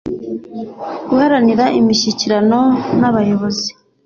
Guharanira imishyikirano n abayobozi